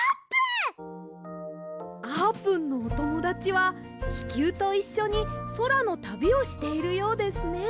あーぷんのおともだちはききゅうといっしょにそらのたびをしているようですね！